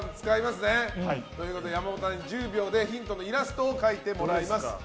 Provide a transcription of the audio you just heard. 山本アナに１０秒でヒントのイラストを描いてもらいます。